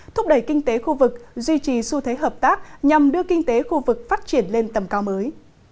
thúc đẩy kinh tế khu vực duy trì xu thế hợp tác nhằm đưa kinh tế khu vực phát triển lên tầm cao mới